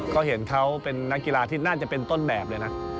ก็เห็นเขาเป็นนักกีฬาที่น่าจะเป็นต้นแบบเลยนะ